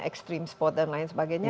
extreme spot dan lain sebagainya